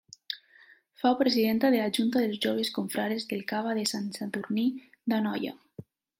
Fou presidenta de la Junta dels Joves Confrares del Cava de Sant Sadurní d'Anoia.